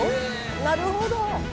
なるほど。